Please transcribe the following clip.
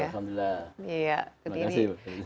alhamdulillah terima kasih